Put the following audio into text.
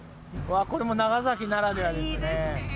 これも長崎ならではですね。